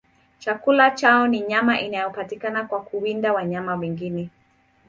Chakula chao ni nyama inayopatikana kwa kuwinda wanyama wengine.